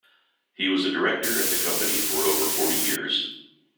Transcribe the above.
He was a director at the company for over forty years.